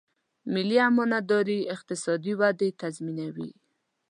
مالي امانتداري اقتصادي ودې تضمینوي.